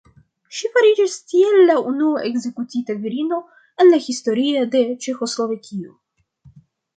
Ŝi fariĝis tiel la unua ekzekutita virino en la historio de Ĉeĥoslovakio.